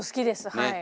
はい。